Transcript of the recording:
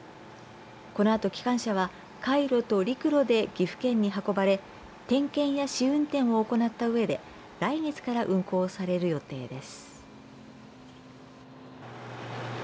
このあと機関車は海路と陸路で岐阜県に運ばれを点検や試運転を行ったあとで来月から運行される予定です。